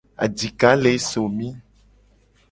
Adika le somi.